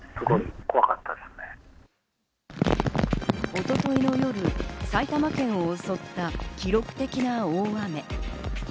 一昨日の夜、埼玉県を襲った記録的な大雨。